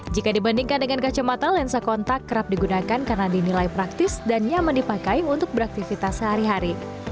jika dibandingkan dengan kacamata lensa kontak kerap digunakan karena dinilai praktis dan nyaman dipakai untuk beraktivitas sehari hari